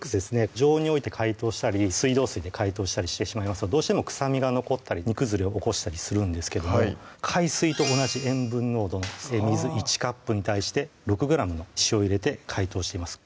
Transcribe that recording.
常温に置いて解凍したり水道水で解凍したりしてしまうとどうしても臭みが残ったり身崩れを起こしたりするんですけども海水と同じ塩分濃度の水１カップに対して６ｇの塩を入れて解凍しています